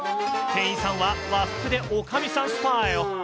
店員さんは和服でおかみさんスタイル。